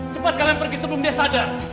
cepat kalian pergi sebelum dia sadar